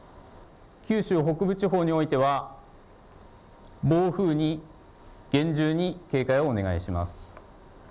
九州北部地方においては暴風に厳重に警戒をお願いします。